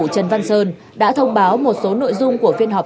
trần văn sơn đã thông báo một số nội dung của phiên họp